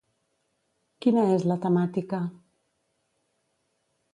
Quina és la temàtica?